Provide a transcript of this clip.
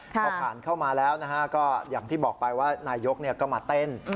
พอผ่านเข้ามาแล้วก็อย่างที่บอกไปว่านายกก็มาเต้น